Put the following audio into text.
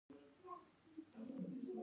د علم زده کړه پر نر او ښځه فرض ده.